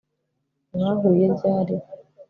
mwahuye ryari